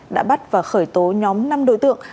đã bắt và khởi tố nhóm năm đối tượng